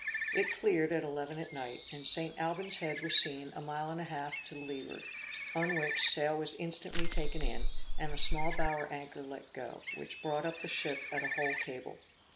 It cleared at eleven at night, and St. Alban's Head was seen a mile and a half to the leeward, on which, sail was instantly taken in, and the small bower anchor let go, which brought up the ship at a whole cable.